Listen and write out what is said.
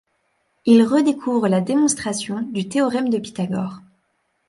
Il redécouvre la démonstration du théorème de Pythagore.